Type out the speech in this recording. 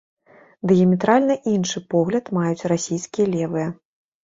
Дыяметральна іншы погляд маюць расійскія левыя.